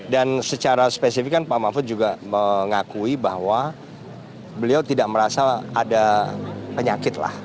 dan secara spesifik kan pak mafud juga mengakui bahwa beliau tidak merasa ada penyakit lah